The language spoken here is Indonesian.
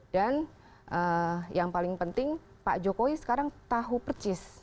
dan yang paling penting pak jokowi sekarang tahu percis